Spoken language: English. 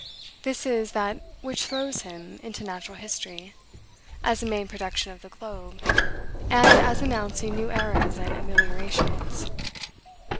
This is that which throws him into natural history, as a main production of the globe, and as announcing new eras and ameliorations.